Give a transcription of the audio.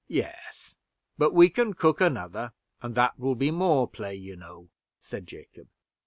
"Yes; but we can cook another, and that will be more play you know," said Jacob.